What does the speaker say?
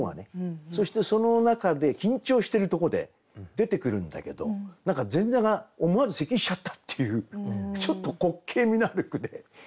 そしてその中で緊張してるとこで出てくるんだけど何か前座が思わず咳しちゃったっていうちょっと滑稽味のある句で。